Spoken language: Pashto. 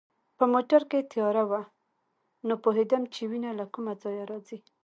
په موټر کې تیاره وه، نه پوهېدم چي وینه له کومه ځایه راځي.